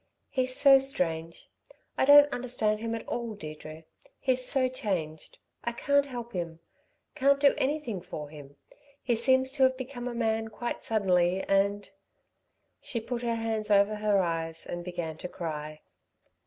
"He's so strange. I don't understand him at all, Deirdre. He's so changed. I can't help him ... can't do anything for him. He seems to have become a man quite suddenly, and " She put her hands over her eyes and began to cry.